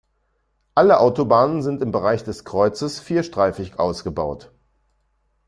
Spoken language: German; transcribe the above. Alle Autobahnen sind im Bereich des Kreuzes vierstreifig ausgebaut.